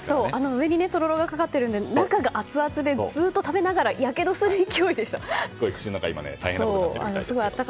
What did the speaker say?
上にとろろがかかっているので中がアツアツでずっと食べながらやけどする勢いでした。